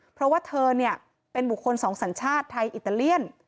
เพราะว่าเธอเนี่ยเป็นบุคคลสองสัญชาติไทยอิตาเลียน